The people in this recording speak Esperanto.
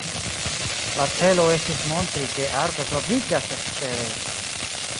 La celo estis montri ke arto troviĝas ekstere!